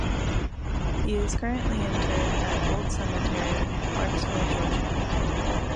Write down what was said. He is currently interred at Old Cemetery in Clarkesville, Georgia.